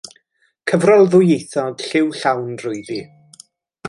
Cyfrol ddwyieithog, lliw llawn drwyddi.